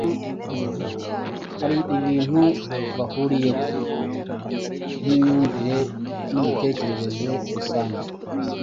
hari ibintu bahuriyeho nk'imyumvire n'imitekerereze rusange,